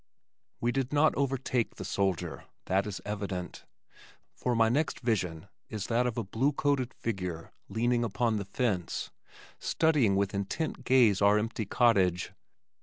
We did not overtake the soldier, that is evident, for my next vision is that of a blue coated figure leaning upon the fence, studying with intent gaze our empty cottage.